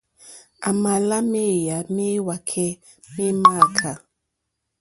À mà lá méyá méwàkɛ́ mé mááká.